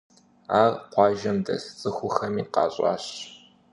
Ар къуажэм дэс цӀыхухэми къащӀащ.